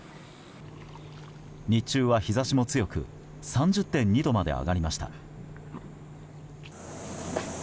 日中は日差しも強く３０．２度まで上がりました。